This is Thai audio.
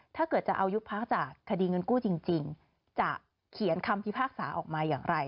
ถ้าเกิดจะเอายุบพักจากคดีเงินกู้จริงจะเขียนคำพิพากษาออกมาอย่างไร